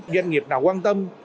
doanh nghiệp nào quan tâm